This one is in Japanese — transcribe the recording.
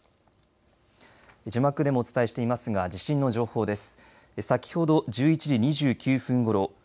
字幕でもお伝えしていますが地震の情報です。